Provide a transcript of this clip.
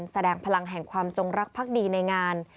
แสดงพลังแห่งความจงรักภักดีในงาน